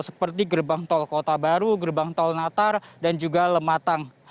seperti gerbang tol kota baru gerbang tol natar dan juga lematang